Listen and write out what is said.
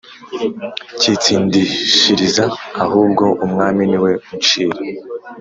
kintsindishiriza ahubwo Umwami ni we uncira